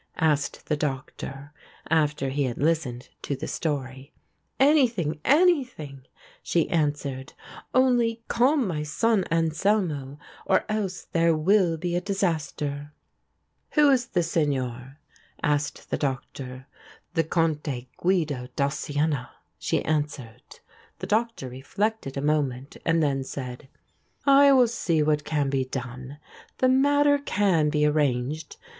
asked the Doctor, after he had listened to the story. "Anything, anything," she answered, "only calm my son Anselmo or else there will be a disaster." "Who is the Signore?" asked the Doctor. "The Conte Guido da Siena," she answered. The Doctor reflected a moment, and then said: "I will see what can be done. The matter can be arranged.